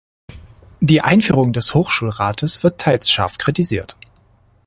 Die Einführung des Hochschulrates wird teils scharf kritisiert.